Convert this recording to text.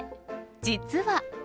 実は。